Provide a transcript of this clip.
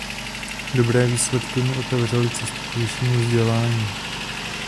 Dobré výsledky mu otevřely cestu k vyššímu vzdělání.